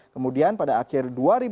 kemudian pada akhir dua ribu lima belas